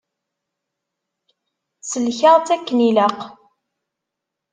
Sellkeɣ-tt akken ilaq.